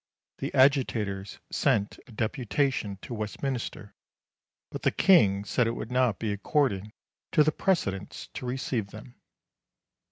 The agitators sent a deputation to Westminster, but the King said it would not be according to the precedents to receive them.